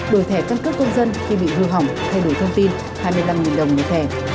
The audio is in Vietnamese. đổi thẻ căn cước công dân khi bị hư hỏng thay đổi thông tin hai mươi năm đồng một thẻ